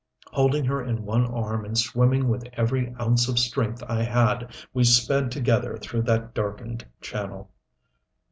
Holding her in one arm and swimming with every ounce of strength I had, we sped together through that darkened channel.